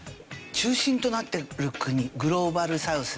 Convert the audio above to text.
中心となってる国グローバルサウスで。